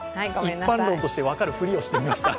一般論として分かるふりをしてみました。